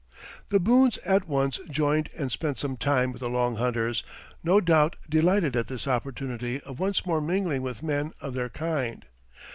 The Boones at once joined and spent some time with the Long Hunters, no doubt delighted at this opportunity of once more mingling with men of their kind.